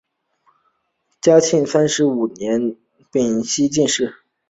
嘉靖三十五年丙辰科进士。